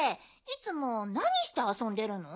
いつもなにしてあそんでるの？